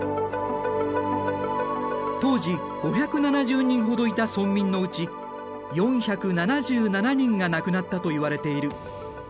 当時５７０人ほどいた村民のうち４７７人が亡くなったといわれている。